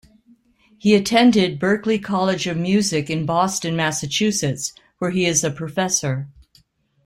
He attended Berklee College of Music in Boston, Massachusetts, where he is a professor.